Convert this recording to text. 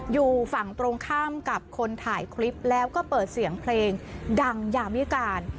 อยู่ฝั่งตรงข้ามกับคนถ่ายคลิปแล้วก็เปิดเสียงเพลงดังยามวิการ